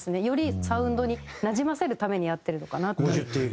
よりサウンドになじませるためにやってるのかなっていう。